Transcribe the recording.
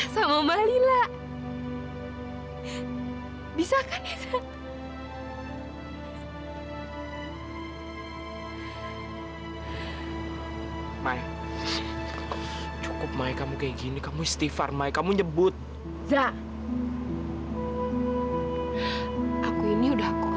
sampai jumpa di video selanjutnya